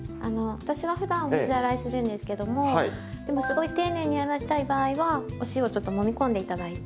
私はふだん水洗いするんですけどもすごい丁寧に洗いたい場合はお塩をちょっともみこんで頂いて。